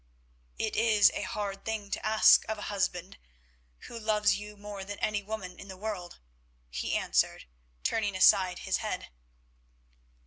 "It is a hard thing to ask of a husband who loves you more than any woman in the world," he answered turning aside his head.